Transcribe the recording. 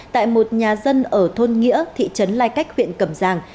tại một nhà dân ở thôn nghĩa thị trấn lai cách huyện cầm giang